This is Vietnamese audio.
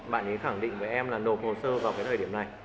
bạn ấy khẳng định với em là nộp hồ sơ vào cái thời điểm này